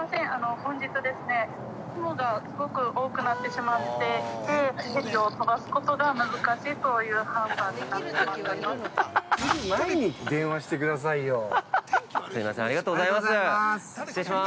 本日、雲がすごく多くなってしまってヘリを飛ばすことが難しいという判断になってます。